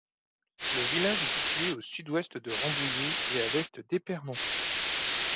Le village est situé à au sud-ouest de Rambouillet et à à l'est d'Épernon.